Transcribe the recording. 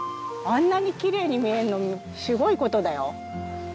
あんなにきれいに見えるのすごい事だよ。